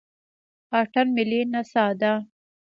اتن ملي نڅا ده